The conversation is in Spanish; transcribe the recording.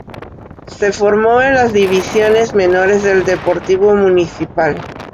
Se formó en las divisiones menores del Deportivo Municipal.